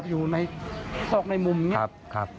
อยู่ในซอกในมุมนี้